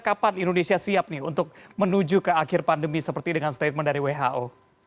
kapan indonesia siap nih untuk menuju ke akhir pandemi seperti dengan statement dari who